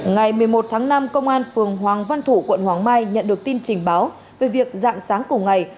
ngày một mươi một tháng năm công an phường hoàng văn thủ quận hoàng mai nhận được tin trình báo về việc dạng sáng cùng ngày